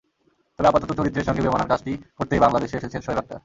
তবে আপাতত চরিত্রের সঙ্গে বেমানান কাজটি করতেই বাংলাদেশে এসেছেন শোয়েব আখতার।